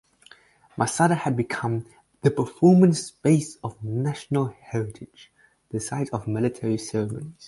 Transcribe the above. Masada had become "the performance space of national heritage", the site of military ceremonies.